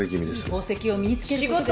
「宝石を身につける事で」